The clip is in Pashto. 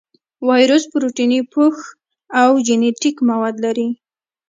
وایرس پروتیني پوښ او جینیټیک مواد لري.